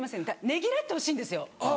ねぎらってほしいんですよ。